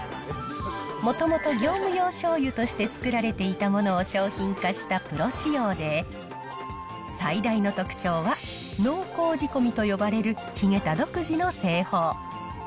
もともと業務用しょうゆとして作られていたものを商品化したプロ仕様で、最大の特徴は濃厚仕込みと呼ばれるヒゲタ独自の製法。